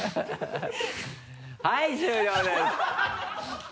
はい終了です。